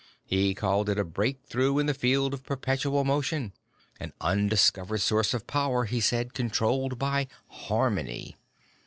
He called it a breakthrough in the field of perpetual motion. An undiscovered source of power, he said, controlled by harmony.